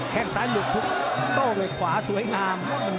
แค่งซ้ายหลุดทุบโต้ด้วยขวาสวยงาม